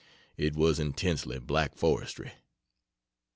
(It was intensely Black foresty.)